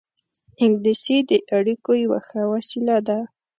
انګلیسي د اړیکو یوه ښه وسیله ده